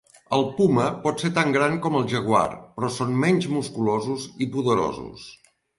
El puma pot ser tan gran com el jaguar, però són menys musculosos i poderosos.